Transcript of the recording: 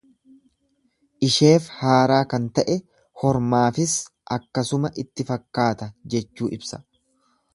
lsheef haaraa kan ta'e hormaafis akkasuma itti fakkaata jechuu ibsa.